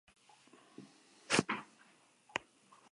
Todavía tiene muestras de milagros de la Virgen y exvotos.